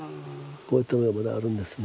こういったものがまだあるんですね。